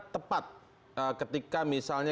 tepat ketika misalnya